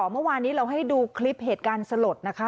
เมื่อวานนี้เราให้ดูคลิปเหตุการณ์สลดนะคะ